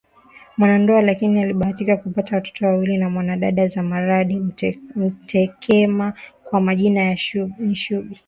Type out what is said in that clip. Mwanandoa lakini alibahatika kupata watoto wawili na Mwanadada Zamaradi Mtekema kwa majina ni Shubi